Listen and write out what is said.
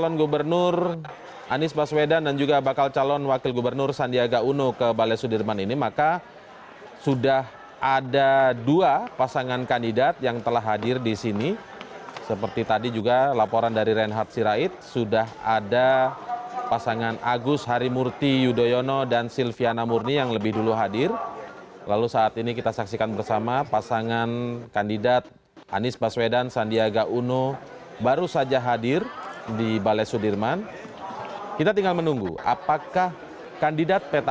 mungkin sudah ada koresponden yang tersambung saat ini